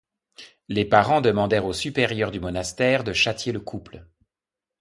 Les parents demandèrent au supérieur du monastère de châtier le couple.